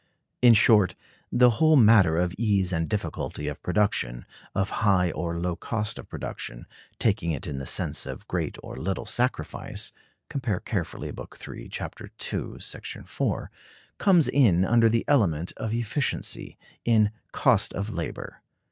In short, the whole matter of ease and difficulty of production, of high or low cost of production, taking it in the sense of great or little sacrifice (compare carefully Book III, Chap. II, § 4), comes in under the element of efficiency, in cost of labor.